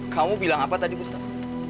kamu bilang apa tadi ustadz